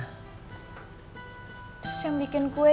terus yang bikin gue dikit